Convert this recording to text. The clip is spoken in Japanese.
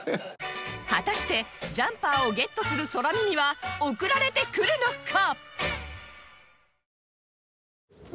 果たしてジャンパーをゲットする空耳は送られてくるのか？